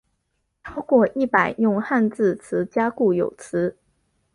超过一百用汉字词加固有词。